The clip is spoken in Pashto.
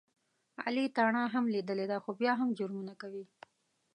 علي تاڼه هم لیدلې ده، خو بیا هم جرمونه کوي.